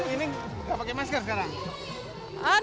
ini nggak pakai masker sekarang